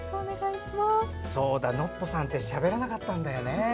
ノッポさんってしゃべらなかったんだよね。